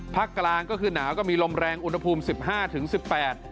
พักกลางก็คือหนาวก็มีลมแรงอุณหภูมิ๑๕๑๘องศา